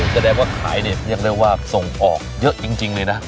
ก็ได้ว่าขายนี่ยังได้ว่าส่งออกเยอะจริงเลยนะ